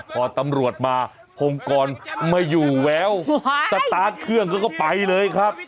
พอตำรวจมาพงกรมาอยู่แววสตาร์ทเครื่องก็ไปเลยครับ